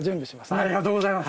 ありがとうございます。